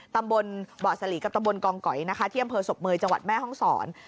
ตำบลบ่อสลีกับตำบลกองก๋อยนะคะที่อำเภอศพเมยจังหวัดแม่ห้องศร